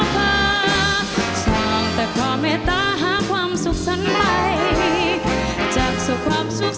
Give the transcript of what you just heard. เผ่าไทยเราพร้อมอาศาสมัคร